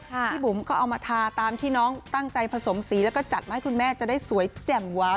บุ๋มก็เอามาทาตามที่น้องตั้งใจผสมสีแล้วก็จัดมาให้คุณแม่จะได้สวยแจ่มว้าว